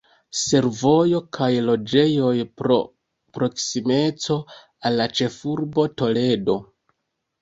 Servoj kaj loĝejoj pro proksimeco al la ĉefurbo Toledo.